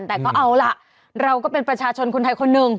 แต่ก็เอาล่ะเราก็เป็นประชาชนคนไทยคนหนึ่ง